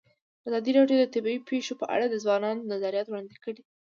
ازادي راډیو د طبیعي پېښې په اړه د ځوانانو نظریات وړاندې کړي.